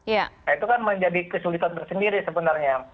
nah itu kan menjadi kesulitan tersendiri sebenarnya